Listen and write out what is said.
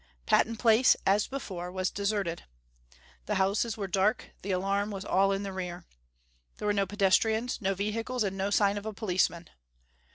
Patton Place, as before, was deserted. The houses were dark; the alarm was all in the rear. There were no pedestrians, no vehicles, and no sign of a policeman.